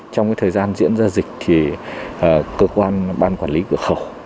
trong thời gian diễn ra dịch thì cơ quan ban quản lý cửa khẩu